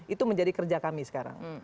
itu menjadi kerja kami sekarang